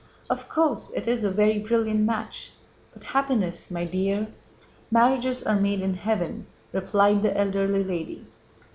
"Of course, it is a very brilliant match, but happiness, my dear..." "Marriages are made in heaven," replied the elderly lady.